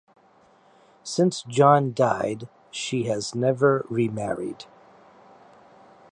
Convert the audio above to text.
Since John died, she has never remarried.